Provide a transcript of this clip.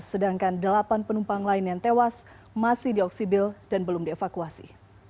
sedangkan delapan penumpang lain yang tewas masih dioksibil dan belum dievakuasi